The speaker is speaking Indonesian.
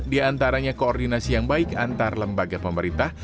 diantaranya koordinasi yang baik antar lembaga pemerintah